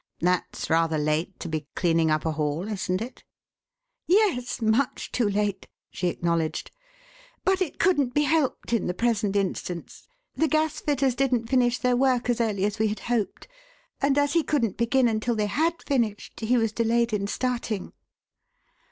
That's rather late to be cleaning up a hall, isn't it?" "Yes, much too late," she acknowledged. "But it couldn't be helped in the present instance. The gasfitters didn't finish their work as early as we had hoped, and as he couldn't begin until they had finished, he was delayed in starting."